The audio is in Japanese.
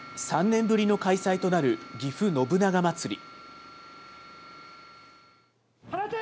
３年ぶりの開催となるぎふ信長まつり。